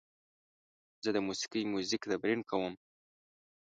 زه د موسیقۍ میوزیک تمرین کوم.